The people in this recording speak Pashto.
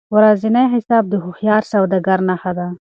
ورځنی حساب د هوښیار سوداګر نښه ده.